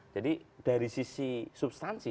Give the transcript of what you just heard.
jadi dari sisi substansi